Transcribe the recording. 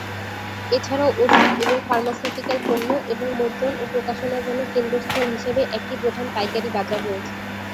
এছাড়াও ওষুধ এবং ফার্মাসিউটিক্যাল পণ্য এবং মুদ্রণ ও প্রকাশনার জন্য কেন্দ্রস্থল হিসেবে একটি প্রধান পাইকারি বাজার রয়েছে।